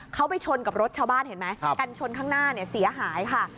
เขาไปชนกับรถชาวบ้านเห็นไหมกันชนข้างหน้าเนี่ยเสียหายค่ะ